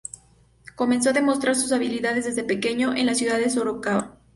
Comenzó a demostrar sus habilidades desde pequeño en la ciudad de Sorocaba.